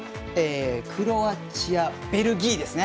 クロアチアベルギーです。